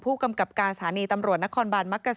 ผู้กำกับการศาเนี่ยตำรวจนครบานมักกะสัน